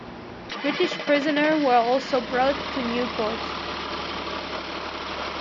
British prisoners were also brought to Newport.